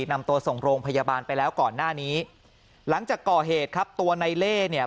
นำตัวส่งโรงพยาบาลไปแล้วก่อนหน้านี้หลังจากก่อเหตุครับตัวในเล่เนี่ย